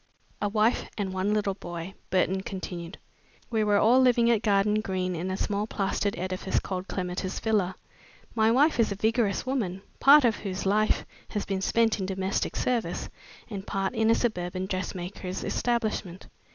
"A wife and one little boy," Burton continued. "We were living at Garden Green in a small plastered edifice called Clematis Villa. My wife is a vigorous woman, part of whose life has been spent in domestic service, and part in a suburban dressmaker's establishment.